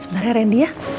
sebenernya randy ya